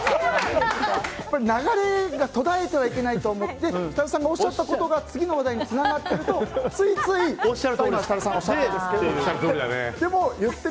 流れが途絶えてはいけないと思って設楽さんがおっしゃったことが次の話題につながっていくと、ついつい設楽さんおっしゃるとおりですって。